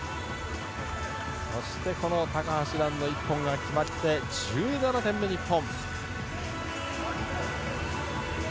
そして高橋藍の１本が決まって１７点目、日本。